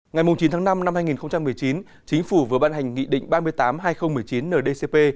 ngày chín tháng năm năm hai nghìn một mươi chín chính phủ vừa ban hành nghị định ba mươi tám hai nghìn một mươi chín ndcp